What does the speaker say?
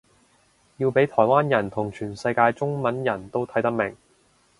要畀台灣人同全世界中文人都睇得明